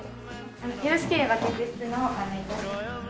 よろしければ客室の方ご案内致します。